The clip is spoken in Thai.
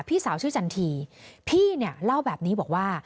พี่สาวชื่อจันทีพี่เนี่ยเล่าแบบนี้บอกว่า